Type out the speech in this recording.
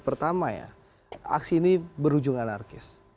pertama ya aksi ini berujung anarkis